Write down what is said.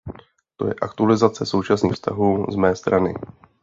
To je aktualizace současných vztahů z mé strany.